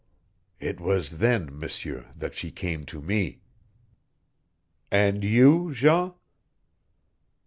It was then, M'seur, that she came to me." "And you, Jean?"